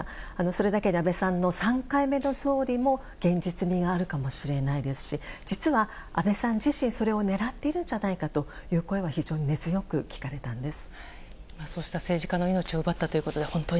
それだけに安倍さんの３回目の総理も現実味があるかもしれないですし実は安倍さん自身それを狙っているんじゃないかという声は非常に根強く聞かれたんです。